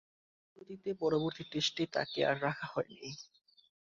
ফলশ্রুতিতে, পরবর্তী টেস্টে তাকে আর রাখা হয়নি।